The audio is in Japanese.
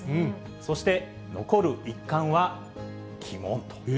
そして、残る一冠は鬼門と。